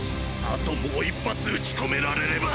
あともう一発撃ち込められれば